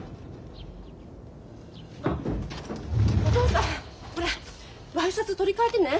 お父さんワイシャツ取り替えてね。